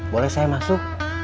boleh saya masuk